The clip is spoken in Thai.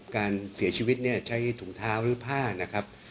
การเสียชีวิตเนี่ยใช้ถุงเท้าหรือผ้านะครับ